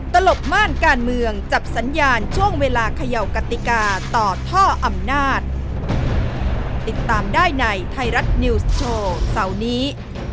ตลบม่านการเมืองจับสัญญาณช่วงเวลาเขย่ากติกาต่อท่ออำนาจติดตามได้ในไทยรัฐนิวส์โชว์เสาร์นี้